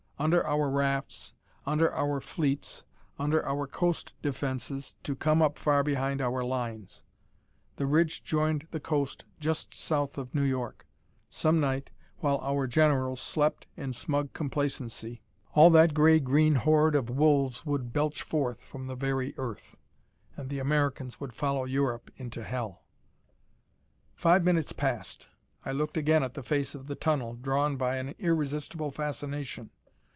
Under our rafts, under our fleets, under our coast defenses to come up far behind our lines. The ridge joined the coast just south of New York. Some night, while our generals slept in smug complacency, all that gray green horde of wolves would belch forth from the very earth. And the Americans would follow Europe into hell! Five minutes passed. I looked again at the face of the tunnel, drawn by an irresistible fascination.